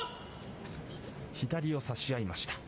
左を差し合いました。